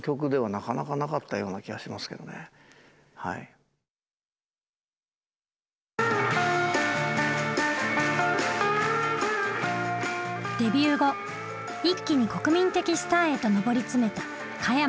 この辺の何かデビュー後一気に国民的スターへと上り詰めた加山さん。